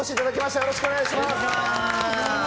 よろしくお願いします。